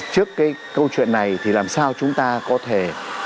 trước cái câu chuyện này thì làm sao chúng ta có thể